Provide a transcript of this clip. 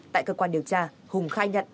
tại cơ quan điều tra hùng khai nhận